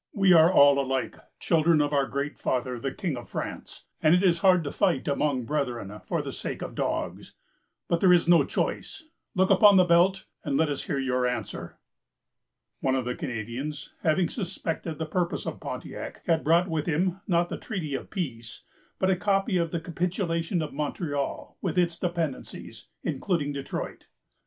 We are all alike children of our Great Father the King of France, and it is hard to fight among brethren for the sake of dogs. But there is no choice. Look upon the belt, and let us hear your answer." One of the Canadians, having suspected the purpose of Pontiac, had brought with him, not the treaty of peace, but a copy of the capitulation of Montreal with its dependencies, including Detroit.